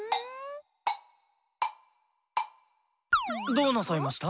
どうなさいました？